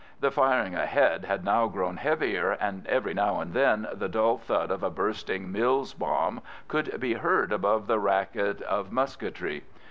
The firing ahead had now grown heavier, and every now and then the dull thud of a bursting Mills bomb could be heard above the racket of musketry.